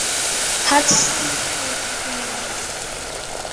Hudson chose Taylor.